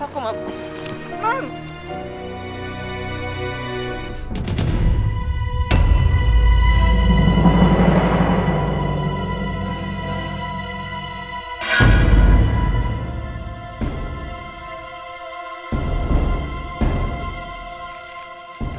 jangan lupa melewati